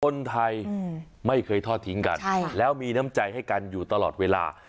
คนไทยไม่เคยทอดทิ้งกันแล้วมีน้ำใจให้กันอยู่ตลอดเวลา